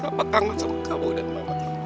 papa kangen sama kamu dan mama